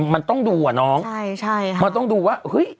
มันต้องดูน้องมันต้องดูว่า